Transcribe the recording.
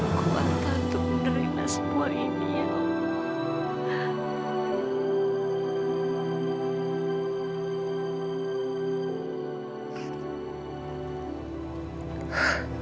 berikan aku kekuatan untuk menerima semua ini ya allah